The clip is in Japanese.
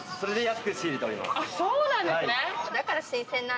そうなんですね。